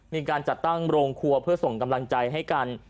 มีการจัดตั้งโรงครัวเพื่อส่งกำลังใจให้กัน